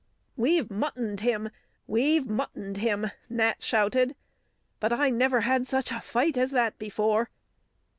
"We've muttoned him! We've muttoned him!" Nat shouted. "But I never had such a fight as that before."